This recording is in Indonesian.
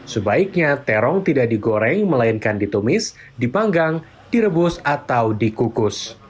sebaiknya terong tidak digoreng melainkan ditumis dipanggang direbus atau dikukus